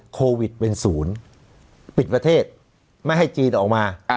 โควิดเป็นศูนย์ปิดประเทศไม่ให้จีนออกมา